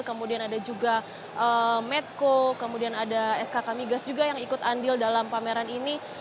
kemudian ada juga medco kemudian ada skk migas juga yang ikut andil dalam pameran ini